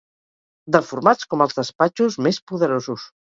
Deformats com els despatxos més poderosos.